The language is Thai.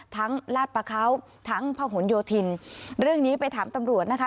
ลาดประเขาทั้งพระหลโยธินเรื่องนี้ไปถามตำรวจนะคะ